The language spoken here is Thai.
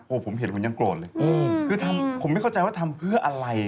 ผมเห็นผมยังโกรธเลยคือทำผมไม่เข้าใจว่าทำเพื่ออะไร